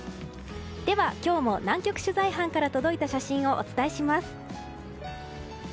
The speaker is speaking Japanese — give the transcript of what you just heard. では、今日も南極取材班から届いた写真をお伝えします。